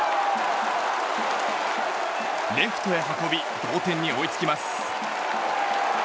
レフトへ運び同点に追いつきます。